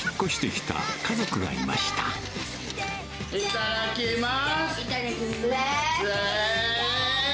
いただきます。